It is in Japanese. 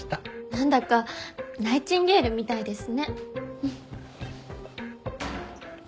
なんだかナイチンゲールみたいですね。